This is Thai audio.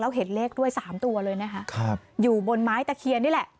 แล้วเห็นเลขด้วยสามตัวเลยนะคะอยู่บนไม้ตะเคียนนี่แหละ